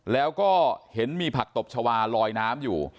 แล้วก็เห็นมีผักตบชาวาลอยน้ำอยู่